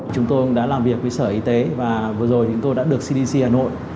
chúng tôi cũng đã làm việc với sở y tế và vừa rồi chúng tôi đã được cdc hà nội